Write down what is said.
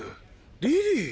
リリー！